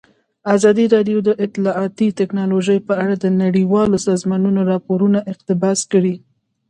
ازادي راډیو د اطلاعاتی تکنالوژي په اړه د نړیوالو سازمانونو راپورونه اقتباس کړي.